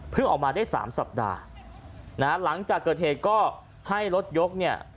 ออกมาได้สามสัปดาห์นะฮะหลังจากเกิดเหตุก็ให้รถยกเนี่ย